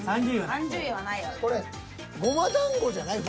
これごま団子じゃない？